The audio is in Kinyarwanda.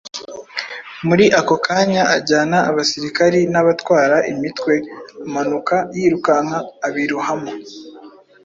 Muri ako kanya ajyana abasirikari n’abatwara imitwe, amanuka yirukanka, abirohamo.